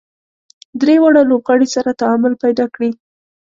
درې واړه لوبغاړي سره تعامل پیدا کړي.